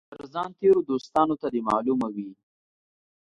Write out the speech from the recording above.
تر ځان تېرو دوستانو ته دي معلومه وي.